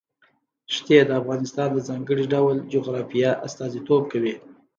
ښتې د افغانستان د ځانګړي ډول جغرافیه استازیتوب کوي.